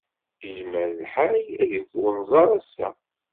Yezmer lḥal ad iwet unẓar ass-a.